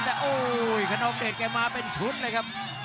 แต่โอ้ยขนองเดชแกมาเป็นชุดเลยครับ